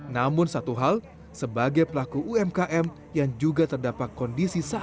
namun satu hal sebagai pelaku umkm yang juga terdapat kondisi saat ini